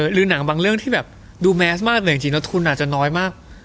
หรือหนังบางเรื่องที่แบบดูแมสมากเลยจริงแล้วทุนอาจจะน้อยมาก